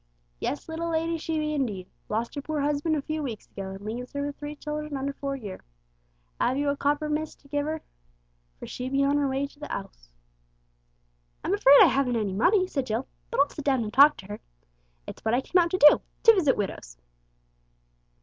"Yes, little lady, she be, indeed; lost her por husban' a few weeks ago, an' leaves 'er with three chillen under four year. 'Ave you a copper, miss, to give 'er? for she be on her way to the 'ouse." "I'm afraid I haven't any money," said Jill, "but I'll sit down and talk to her. It's what I came out to do to visit widows."